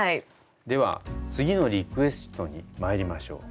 では次のリクエストにまいりましょう。